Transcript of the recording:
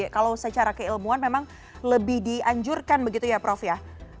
kalau secara keilmuan memang lebih dianjurkan begitu ya prof ya